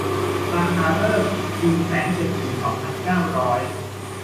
ราคาเริ่ม หนึ่งแสนเจ็ดหมื่นสองพันเก้าร้อย